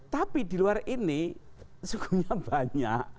tapi di luar ini sukunya banyak